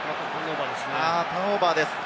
ターンオーバーですね。